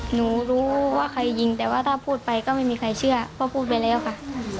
หนูรู้ว่าใครยิงแต่ว่าถ้าพูดไปก็ไม่มีใครเชื่อเพราะพูดไปแล้วค่ะ